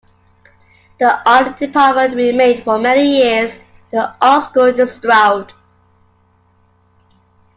The Art Department remained for many years in the Art School in Stroud.